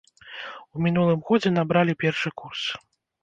У мінулым годзе набралі першы курс.